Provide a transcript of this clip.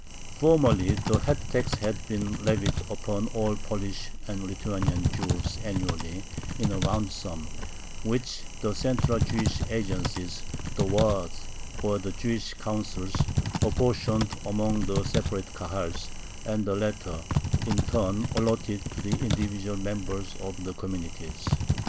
Formerly the head tax had been levied upon all Polish and Lithuanian Jews annually in a round sum, which the central Jewish agencies, the Waads, or Jewish Councils, apportioned among the separate Kahals, and the latter, in turn, allotted to the individual members of the communities.